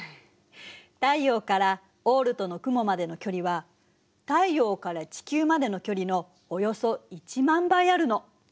太陽からオールトの雲までの距離は太陽から地球までの距離のおよそ１万倍あるの。